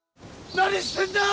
何してんだよ！